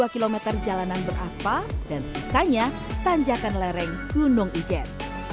dua puluh km jalanan beraspa dan sisanya tanjakan lereng gunung ijen